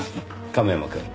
亀山くん。